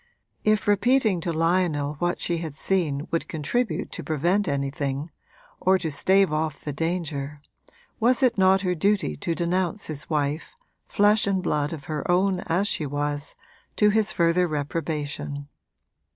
If repeating to Lionel what she had seen would contribute to prevent anything, or to stave off the danger, was it not her duty to denounce his wife, flesh and blood of her own as she was, to his further reprobation?